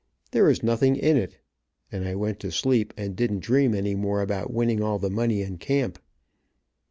There is nothing in it, and I went to sleep, and didn't dream any more about winning all the money in camp."